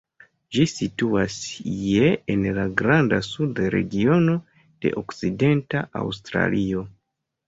Ĝi situas je en la Granda Suda regiono de Okcidenta Aŭstralio.